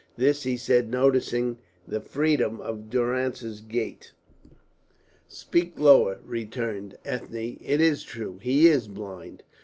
This he said, noticing the freedom of Durrance's gait. "Speak lower," returned Ethne. "It is true. He is blind."